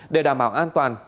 để đảm bảo an toàn